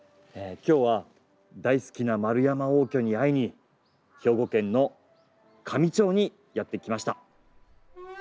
今日は大好きな円山応挙に会いに兵庫県の香美町にやって来ました。